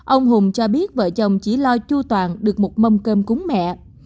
ông hùng cho biết vợ chồng chỉ lo chu toàn được một mâm cơm cúng mẹ